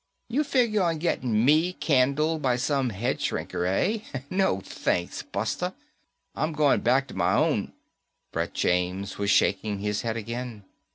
You figure on gettin' me candled by some head shrinker, eh? No thanks, Buster. I'm going back to my own " Brett James was shaking his head again.